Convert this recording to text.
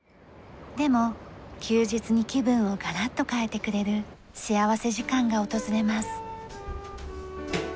でも休日に気分をガラッと変えてくれる幸福時間が訪れます。